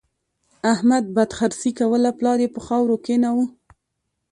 احمد بدخرڅي کوله؛ پلار يې پر خاورو کېناوو.